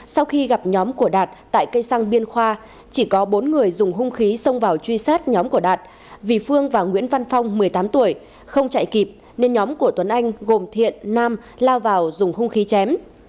sau khi gặp nhóm của đạt tại cây xăng biên khoa chỉ có bốn người dùng hung khí xông vào truy sát nhóm của đạt vì phương và nguyễn văn phong một mươi tám tuổi không chạy kịp nên nhóm của tuấn anh gồm thiện nam lao vào dùng hung khí chém